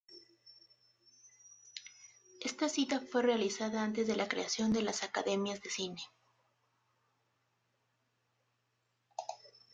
Esta cinta fue realizada antes de la creación de las academias de cine.